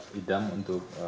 pak edam untuk